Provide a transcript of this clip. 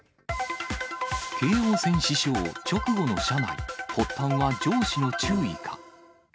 京王線刺傷直後の車内、発端は上司の注意か。